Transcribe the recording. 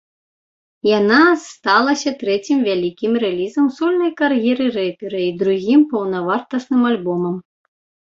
Яна сталася трэцім вялікім рэлізам у сольнай кар'еры рэпера і другім паўнавартасным альбомам.